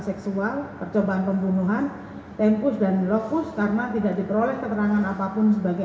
seksual percobaan pembunuhan tempus dan lokus karena tidak diperoleh keterangan apapun sebagai